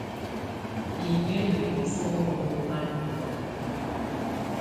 Inyə yɛ wəsu muəndu a ndɔ náa.